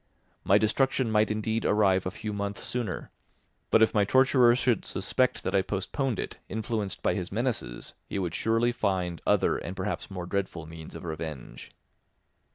My destruction might indeed arrive a few months sooner, but if my torturer should suspect that I postponed it, influenced by his menaces, he would surely find other and perhaps more dreadful means of revenge.